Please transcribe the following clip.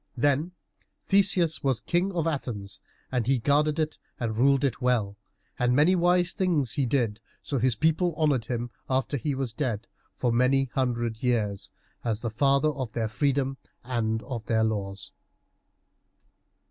Then Theseus was King of Athens, and he guarded it and ruled it well, and many wise things he did, so that his people honored him after he was dead, for many a hundred years, as the father of their freedom and of their laws.